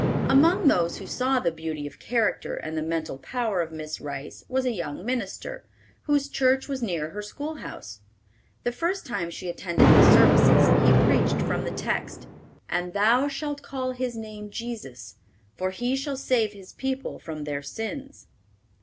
Among those who saw the beauty of character and the mental power of Miss Rice was a young minister, whose church was near her schoolhouse. The first time she attended his services, he preached from the text, "And thou shalt call his name Jesus; for he shall save his people from their sins."